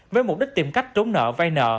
với mục đích tìm cách trốn nợ vai nợ